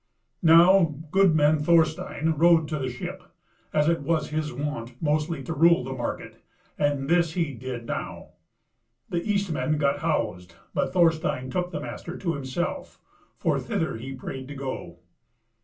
Now, goodman Thorstein rode to the ship, as it was his wont mostly to rule the market, and this he did now. The Eastmen got housed, but Thorstein took the master to himself, for thither he prayed to go.